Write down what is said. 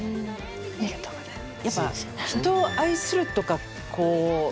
ありがとうございます。